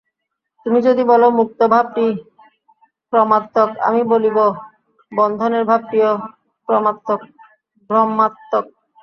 তুমি যদি বল, মুক্তভাবটি ভ্রমাত্মক, আমি বলিব, বন্ধনের ভাবটিও ভ্রমাত্মক।